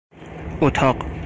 اتاق